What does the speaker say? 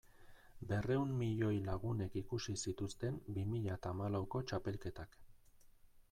Berrehun milioi lagunek ikusi zituzten bi mila eta hamalauko txapelketak.